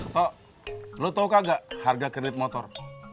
tok lo tau gak harga kredit motor